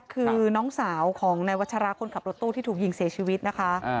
คือน้องสาวของนายวัชราคนขับรถตู้ที่ถูกยิงเสียชีวิตนะคะ